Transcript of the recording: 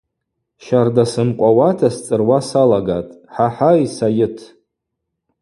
Щарда сымкъвауата сцӏыруа салагатӏ: – Хӏахӏай, Сайыт.